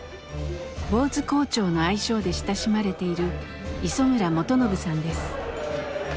「ぼうず校長」の愛称で親しまれている磯村元信さんです。